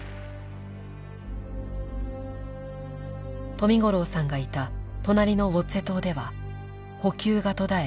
冨五郎さんがいた隣のウオッゼ島では補給が途絶え